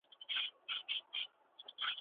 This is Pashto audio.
دوی په بازار کي د نویو بیو اعلان وکړ.